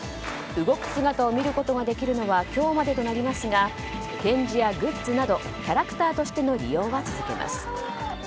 動く姿を見ることができるのは今日までとなりますが展示やグッズなどキャラクターとしての利用は続けます。